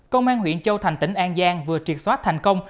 công an huyện châu thành tỉnh an giang vừa triệt xóa thành công